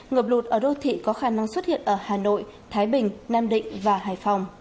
ngập lụt ở đô thị có khả năng xuất hiện ở hà nội thái bình nam định và hải phòng